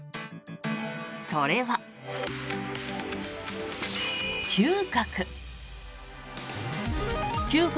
それは、嗅覚。